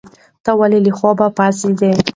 ته ولې له خوبه پاڅېدې؟